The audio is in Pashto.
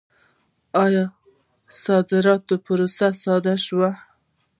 آیا صادراتي پروسه ساده شوې؟